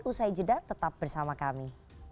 usai jeda tetap bersama kami